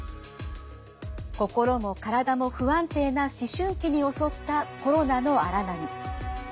心も体も不安定な思春期に襲ったコロナの荒波。